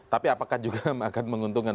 tapi apakah juga akan menguntungkan